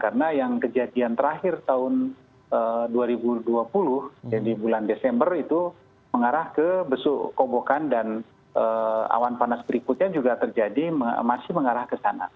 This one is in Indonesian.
karena yang kejadian terakhir tahun dua ribu dua puluh jadi bulan desember itu mengarah ke besuk kobokan dan awan panas berikutnya juga terjadi masih mengarah ke sana